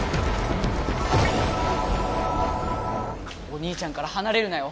お兄ちゃんからはなれるなよ。